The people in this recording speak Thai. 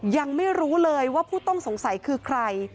ยังไม่รู้เลยว่าผู้ต้องสงสัยคือใคร